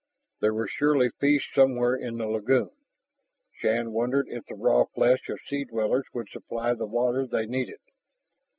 There were surely fish somewhere in the lagoon. Shann wondered if the raw flesh of sea dwellers could supply the water they needed.